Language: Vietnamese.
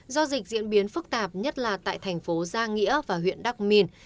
do dịch diễn biến phức tạp nhất là tại thành phố giang nghĩa và huyện đắk minh